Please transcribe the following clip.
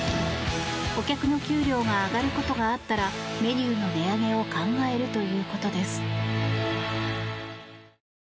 お客の給料が上がることがあったらメニューの値上げを考えるということです。